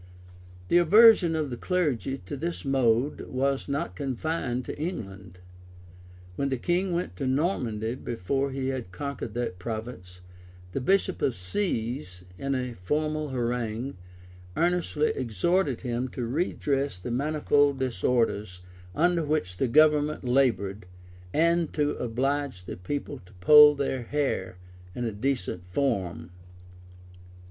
[] The aversion of the clergy to this mode was not confined to England. When the king went to Normandy, before he had conquered that province, the bishop of Seeze, in a formal harangue, earnestly exhorted him to redress the manifold disorders under which the government labored, and to oblige the people to poll their hair in a decent form.